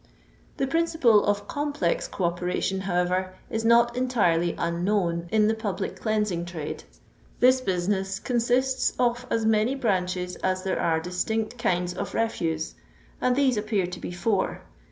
The principle of complex co operation, however, is not entirely unknown in the public cleansing trade. This business consists of as many branches as there are distinct kinds of refuse, and these appear to be four.